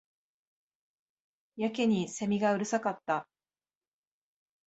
やけに蝉がうるさかった